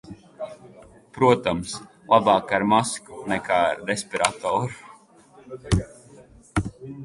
Protams, labāk ar masku nekā respiratoru.